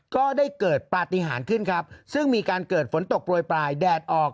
ก็ได้เกิดปฏิหารขึ้นครับซึ่งมีการเกิดฝนตกโปรยปลายแดดออก